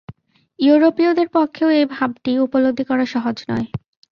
ইউরোপীয়দের পক্ষেও এই ভাবটি উপলব্ধি করা সহজ নয়।